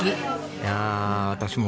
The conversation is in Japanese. いやあ私も。